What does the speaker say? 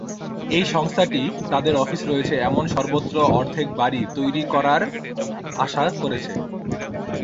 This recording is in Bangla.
এই সংস্থাটি তাদের অফিস রয়েছে এমন সর্বত্র অর্ধেক বাড়ি তৈরি করার আশা করছে।